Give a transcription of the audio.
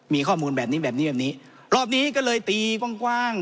มีข้อมูลแบบนี้แบบนี้แบบนี้แบบนี้รอบนี้ก็เลยตีกว้าง